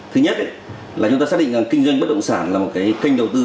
thứ nhất là chúng ta xác định rằng kinh doanh bất động sản là một cái kênh đầu tư